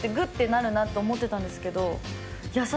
ってなるなって思ってたんですけど。